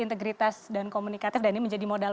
integritas dan komunikatif dan ini menjadi modal